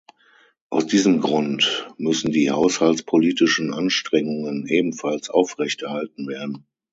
Aus diesem Grund müssen die haushaltspolitischen Anstrengungen ebenfalls aufrechterhalten werden.